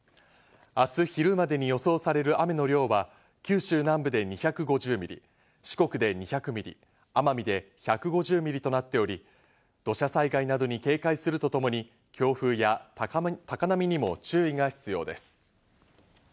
明日昼までに予想される雨の量は九州南部で２５０ミリ、四国で２００ミリ、奄美で１５０ミリとなっており、土砂災害などに警戒するとともに、強風や高波にも注意が必要です。